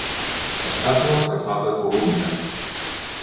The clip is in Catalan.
Estàtua que fa de columna.